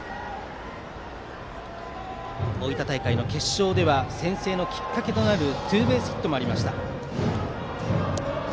大分大会の決勝では先制のきっかけとなるツーベースヒットもありました。